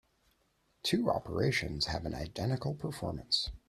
The two operations have an identical performance.